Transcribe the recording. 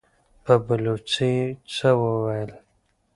په بلوڅي يې څه وويل!